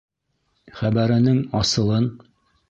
— Хәбәренең асылын...